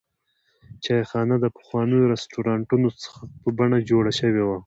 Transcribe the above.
چایخانه د پخوانیو رسټورانټونو په بڼه جوړه شوې وه.